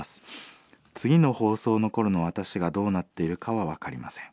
次の放送の頃の私がどうなっているかは分かりません。